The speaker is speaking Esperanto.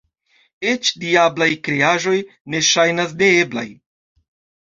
Eĉ diablaj kreaĵoj ne ŝajnas neeblaj.